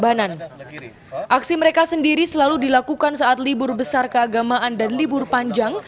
aksi mereka sendiri selalu dilakukan saat libur besar keagamaan dan libur panjang